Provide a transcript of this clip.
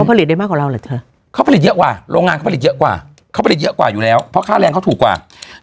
ผลิตได้มากกว่าเราเหรอเธอเขาผลิตเยอะกว่าโรงงานเขาผลิตเยอะกว่าเขาผลิตเยอะกว่าอยู่แล้วเพราะค่าแรงเขาถูกกว่า